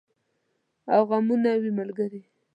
او غمونه وي ملګري